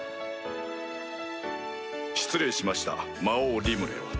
失礼しました魔王リムルよ。